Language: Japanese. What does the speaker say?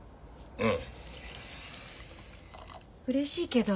うん？